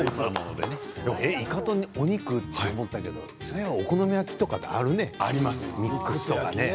いかとお肉と思ったけれどもそういえばお好み焼きとかあるねミックスとか。